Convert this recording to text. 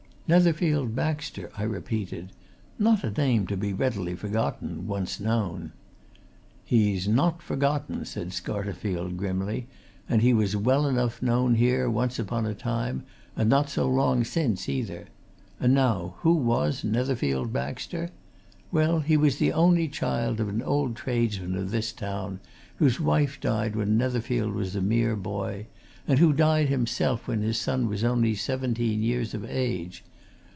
"Netherfield Baxter," I repeated. "Not a name to be readily forgotten once known." "He's not forgotten," said Scarterfield, grimly, "and he was well enough known, here, once upon a time, and not so long since, either. And now, who was Netherfield Baxter? Well, he was the only child of an old tradesman of this town, whose wife died when Netherfield was a mere boy, and who died himself when his son was only seventeen years of age.